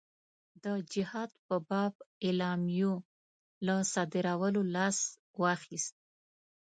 د جهاد په باب اعلامیو له صادرولو لاس واخیست.